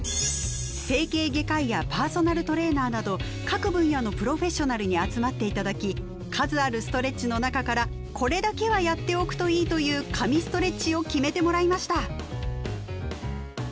各分野のプロフェッショナルに集まって頂き数あるストレッチの中から「これだけはやっておくといい」という「神ストレッチ」を決めてもらいました。